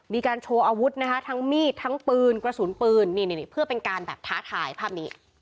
มีการโชว์อาวุธนะคะทั้งมีดทั้งปืนกระสุนปืนนี่เพื่อเป็นการแบบท้าทายภาพนี้